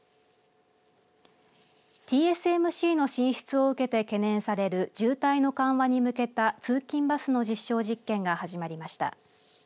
ＴＳＭＣの進出を受けて懸念される渋滞の緩和に向けた通勤バスの実証実験が始まりました。